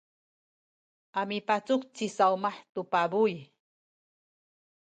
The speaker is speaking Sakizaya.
a mipacuk ci Sawmah tu pabuy.